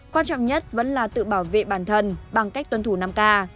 quan trọng nhất vẫn là tự bảo vệ bản thân bằng cách tuân thủ năm k